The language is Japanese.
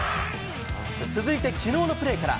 続いて、きのうのプレーから。